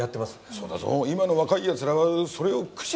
そうだぞ今の若いやつらはそれを駆使してるからな。